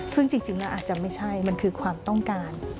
ซึ่งจริงแล้วอาจจะไม่ใช่มันคือความต้องการ